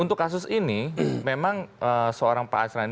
untuk kasus ini memang seorang pak asrani